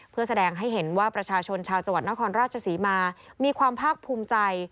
เพื่อแสดงให้เห็นว่าประชาชนชาวจังหวัดนครราชศรีมามีความภาคภูมิใจ